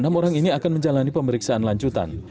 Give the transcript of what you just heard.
enam orang ini akan menjalani pemeriksaan lanjutan